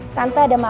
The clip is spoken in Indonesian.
aku mau ke rumah